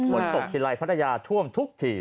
ฝนตกทีไรพัทยาท่วมทุกที